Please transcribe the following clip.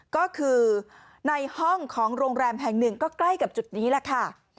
ก็คือในห้องของโรงแรมแห่งหนึ่งก็ใกล้กับจุดนี้แหละค่ะ